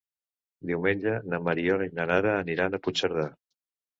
Diumenge na Mariona i na Nara aniran a Puigcerdà.